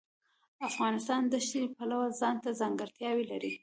افغانستان د ښتې د پلوه ځانته ځانګړتیا لري.